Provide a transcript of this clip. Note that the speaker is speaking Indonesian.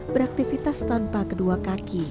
beraktifitas tanpa kedua kaki